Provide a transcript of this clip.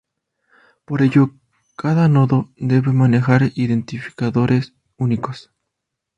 Por ello cada nodo debe manejar identificadores únicos.